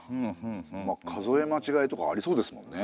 まあ数えまちがいとかありそうですもんね。